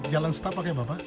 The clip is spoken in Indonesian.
jalan setapak ya bapak